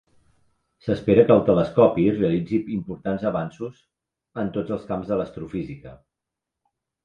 S'espera que el telescopi realitzi importants avanços en tots els camps de l'astrofísica.